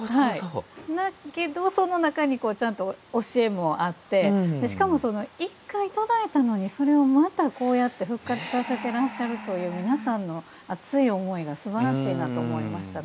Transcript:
だけど、その中にちゃんと教えもあってしかも１回途絶えたのにそれをまたこうやって復活なさっていらっしゃるという皆さんの熱い思いがすばらしいなと思いましたね。